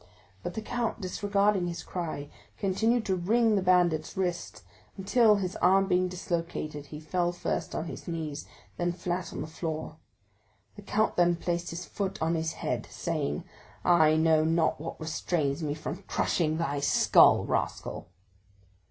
But the count, disregarding his cry, continued to wring the bandit's wrist, until, his arm being dislocated, he fell first on his knees, then flat on the floor. The count then placed his foot on his head, saying, "I know not what restrains me from crushing thy skull, rascal."